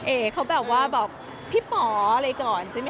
เอ๋เค้าแบบว่าบอกพี่ป๋อเลยก่อนใช่ไหมคะ